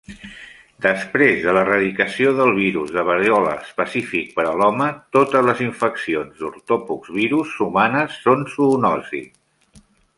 Després de l'eradicació del virus de variola específic per a l'home, totes les infeccions d'Ortopoxvirus humanes són zoonosis.